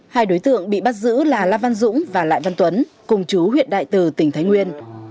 hai đối tượng bị bắt giữ là la văn dũng và lại văn tuấn cùng chú huyện đại từ tỉnh thái nguyên